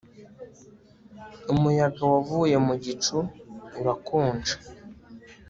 Umuyaga wavuye mu gicu urakonja